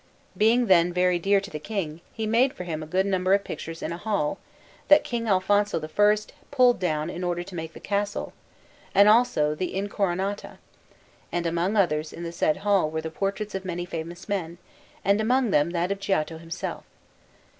Being then very dear to the King, he made for him a good number of pictures in a hall (that King Alfonso I pulled down in order to make the Castle), and also in the Incoronata; and among others in the said hall were the portraits of many famous men, and among them that of Giotto himself.